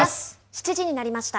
７時になりました。